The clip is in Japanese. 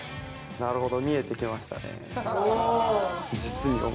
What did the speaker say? なるほど！